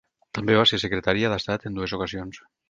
També va ser secretària d'estat en dues ocasions.